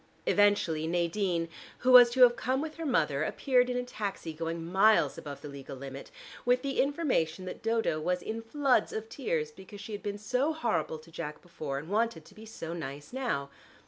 Eventually Nadine who was to have come with her mother appeared in a taxi going miles above the legal limit, with the information that Dodo was in floods of tears because she had been so horrible to Jack before, and wanted to be so nice now.